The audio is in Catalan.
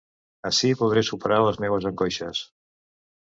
Ací podré superar les meues angoixes.